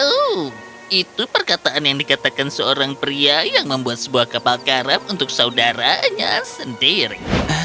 oh itu perkataan yang dikatakan seorang pria yang membuat sebuah kapal karam untuk saudaranya sendiri